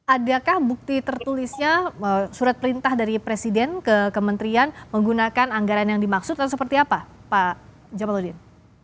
adakah bukti tertulisnya surat perintah dari presiden ke kementerian menggunakan anggaran yang dimaksud atau seperti apa pak jamaludin